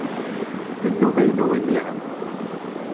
D nnuba-inu imir-a.